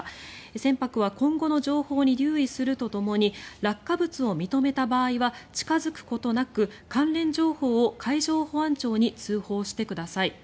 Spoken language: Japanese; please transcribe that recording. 船舶は今後の情報に留意するとともに落下物を認めた場合は近付くことなく関連情報を海上保安庁に通報してください。